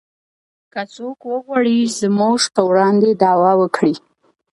که څوک وغواړي زموږ په وړاندې دعوه وکړي